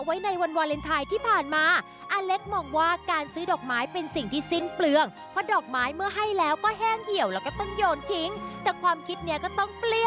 อ้าวแล้วนี่แหละแม่งสับไม่ได้